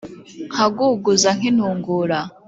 nkaguguza nk’intungura,